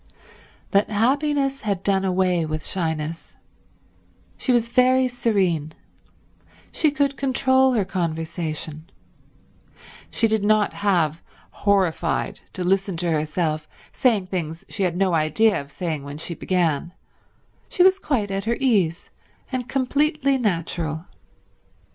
But happiness had done away with shyness—she was very serene; she could control her conversation; she did not have, horrified, to listen to herself saying things she had no idea of saying when she began; she was quite at her ease, and completely natural.